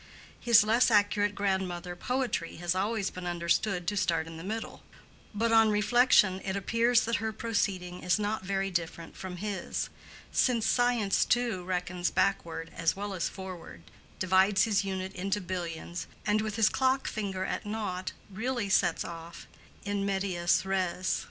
His less accurate grandmother Poetry has always been understood to start in the middle; but on reflection it appears that her proceeding is not very different from his; since Science, too, reckons backward as well as forward, divides his unit into billions, and with his clock finger at Nought really sets off in medias res.